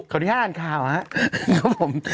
ขออนุญาตอ่านข่าวครับผม